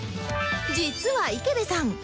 実は池辺さん